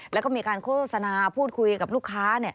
แล้วก็มีการโฆษณาพูดคุยกับลูกค้า